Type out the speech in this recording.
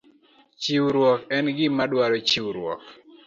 Chiwruok en gima dwaro chiwruok